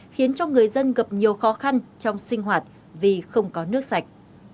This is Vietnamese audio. khiến cho người dân gặp nhiều khó khăn trong sinh hoạt vì không có nước sạch